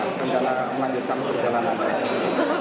jadi gimana kencana melanjutkan perjalanan